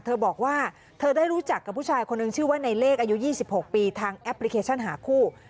เธอบอกว่าเธอได้รู้จักกับผู้ชายคนหนึ่งชื่อว่าในเลขอายุ๒๖ปีทางแอปพลิเคชันหาคู่